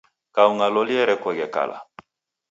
Kaung'a loli erekoghe kala